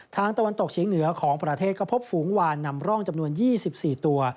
ตะวันตกเฉียงเหนือของประเทศก็พบฝูงวานนำร่องจำนวน๒๔ตัว